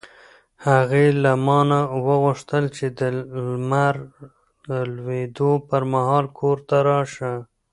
هغې له ما نه وغوښتل چې د لمر لوېدو پر مهال کور ته راشه.